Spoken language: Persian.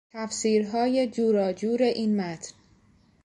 تفسیرهای جوراجور این متن